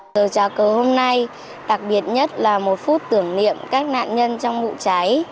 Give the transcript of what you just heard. sở trào cờ hôm nay đặc biệt nhất là một phút tưởng niệm các nạn nhân trong vụ cháy